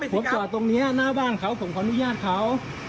ผมจอดตรงนี้หน้าบ้านเขาผมขออนุญาตเขา